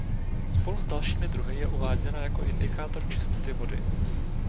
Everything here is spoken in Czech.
Spolu s dalšími druhy je uváděna jako indikátor čistoty vody.